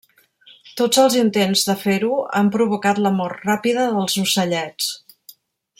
Tots els intents de fer-ho han provocat la mort ràpida dels ocellets.